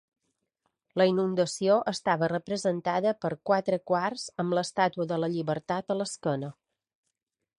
La inundació estava representada per quatre quarts amb l'estàtua de la llibertat a l'esquena.